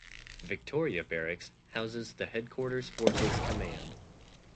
Victoria Barracks houses the Headquarters Forces Command.